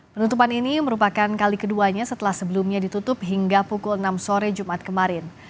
penutupan ini merupakan kali keduanya setelah sebelumnya ditutup hingga pukul enam sore jumat kemarin